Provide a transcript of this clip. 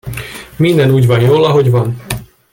Minden úgy van jól, ahogy van.